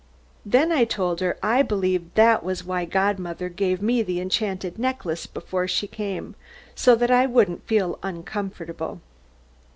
Then I told her I believed that was why godmother gave me the enchanted necklace before she came, so that I wouldn't feel uncomfortable.